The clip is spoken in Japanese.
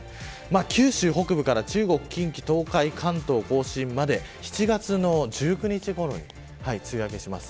九州北部から中国、近畿東海、関東甲信まで７月の１９日ごろに梅雨明けします。